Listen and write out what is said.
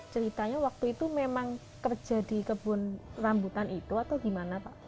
ceritanya waktu itu memang kerja di kebun rambutan itu atau gimana pak